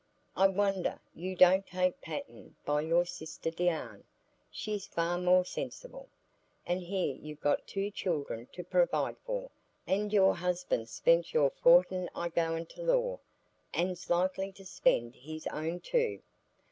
I wonder you don't take pattern by your sister Deane; she's far more sensible. And here you've got two children to provide for, and your husband's spent your fortin i' going to law, and's likely to spend his own too.